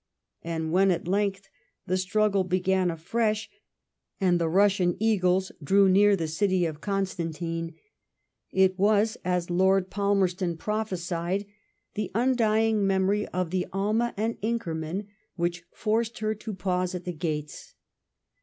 And when at last the struggle began afresh, and the Bussian eagles 174 LIFE OF VISCOUNT PALMEB8T0N. drew near the city of Gonstantine, it was^ as Lord Pal merston prophesied, the undying memory of the Alma and Inkermann which forced her to pause at the gates.